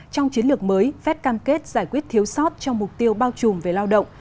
trong chiến lược mới fed cam kết giải quyết thiếu sót trong mục tiêu bao trùm về lao động